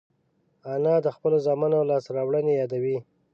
انا د خپلو زامنو لاسته راوړنې یادوي